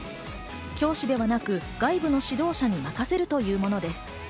教師ではなく外部の指導者に任せるというものです。